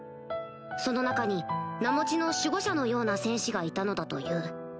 その中に名持ちの守護者のような戦士がいたのだという